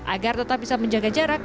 agar tetap bisa menjaga jarak